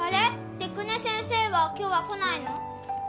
出久根先生は今日は来ないの？